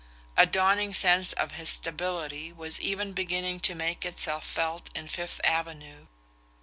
A dawning sense of his stability was even beginning to make itself felt in Fifth Avenue.